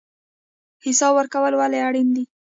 حساب ورکول ولې اړین دي؟